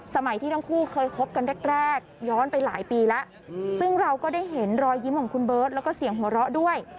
ที่ทั้งคู่เคยคบกันแรกแรกย้อนไปหลายปีแล้วซึ่งเราก็ได้เห็นรอยยิ้มของคุณเบิร์ตแล้วก็เสียงหัวเราะด้วย